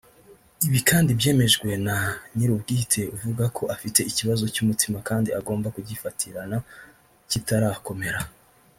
Ibi kandi byemejwe na nyir’ubwite uvuga ko afite ikibazo cy’umutima kandi agomba kugifatirana kitarakomera